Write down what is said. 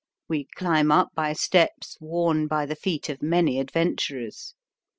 We climb up by steps worn by the feet of many adventurers.